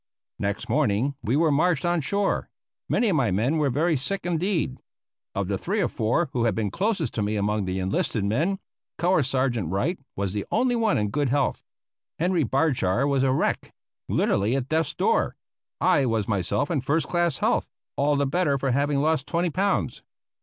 Next morning we were marched on shore. Many of the men were very sick indeed. Of the three or four who had been closest to me among the enlisted men, Color Sergeant Wright was the only one in good health. Henry Bardshar was a wreck, literally at death's door. I was myself in first class health, all the better for having lost twenty pounds.